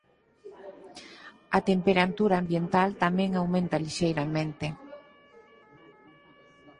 A temperatura ambiental tamén aumenta lixeiramente.